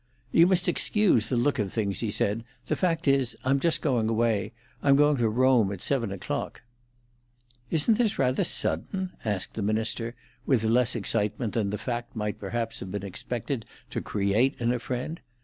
"You must excuse the look of things," he said. "The fact is, I'm just going away. I'm going to Rome at seven o'clock." "Isn't this rather sudden?" asked the minister, with less excitement than the fact might perhaps have been expected to create in a friend.